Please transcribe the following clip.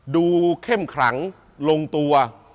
ดูเข้มครั้งลงตัว